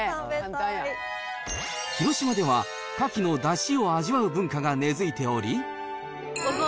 広島ではカキのだしを味わう文化が根づいており。